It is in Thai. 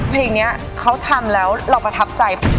เพลงนี้เขาทำแล้วเราประทับใจ